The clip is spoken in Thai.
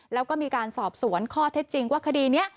แล้วก็มีการสอบสวนข้อเท็จจริงว่าคดีนี้